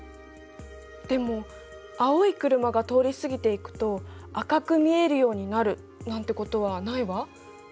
でも「青い車が通り過ぎていくと赤く見えるようになる」なんてことはないわ。